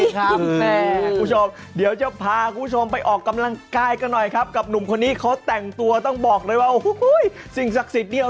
คุณผู้ชมเดี๋ยวจะพาคุณผู้ชมไปออกกำลังกายกันหน่อยครับกับหนุ่มคนนี้เขาแต่งตัวตั้งบอกเลย